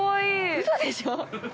◆うそでしょう。